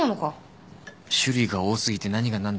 種類が多過ぎて何が何だか不明確で。